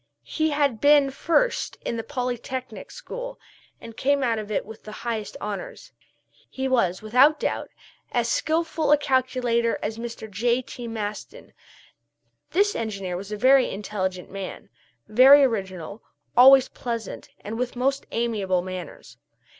He had been first in the polytechnic school, and came out of it with the highest honors. He was without doubt as skilful a calculator as Mr. J.T. Maston. This engineer was a very intelligent young man, very original, always pleasant, and with most amiable manners.